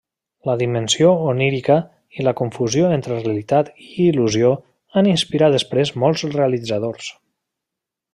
La dimensió onírica i la confusió entre realitat i il·lusió han inspirat després molts realitzadors.